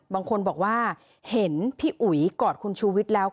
บางคนบอกว่าเห็นพี่อุ๋ยกอดคุณชูวิทย์แล้ว